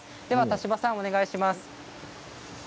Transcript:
田島さん、お願いします。